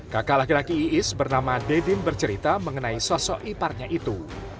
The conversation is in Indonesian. kakak laki laki iis bernama dedin bercerita mengenai sosok iparnya itu